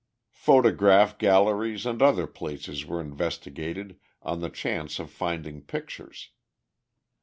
Photograph galleries and other places were investigated on the chance of finding pictures.